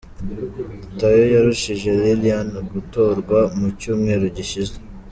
Tayo yarushije Lilian gutorwa mu cyumweru gishize.